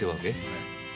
はい。